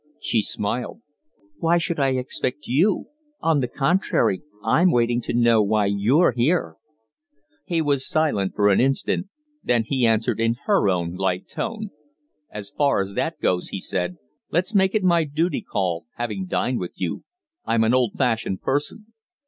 She smiled. "Why should I expect you? On the contrary, I'm waiting to know why you're here?" He was silent for an instant; then he answered in her own light tone. "As far as that goes," he said, "let's make it my duty call having dined with you. I'm an old fashioned person."